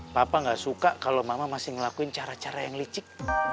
papa nggak suka kalau mama masih ngelakuin cara cara yang licik